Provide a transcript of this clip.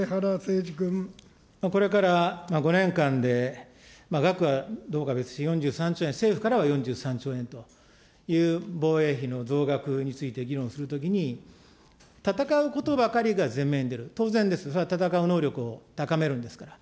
これから５年間で、額はどうか別として４３兆円、政府からは４３兆円という防衛費の増額について議論するときに、戦うことばかりが前面に出る、当然です、それは戦う能力を高めるんですから。